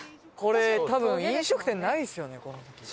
これ多分飲食店ないですよねこの先。